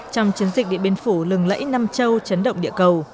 trong chiến dịch điện biên phủ